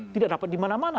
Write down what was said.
tidak dapat dimana mana